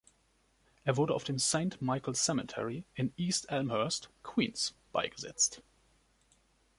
Er wurde auf dem Saint Michaels Cemetery in East Elmhurst, Queens, beigesetzt.